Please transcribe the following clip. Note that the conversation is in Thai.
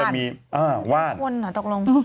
ว่าไม่ได้ควรเหรอตกลง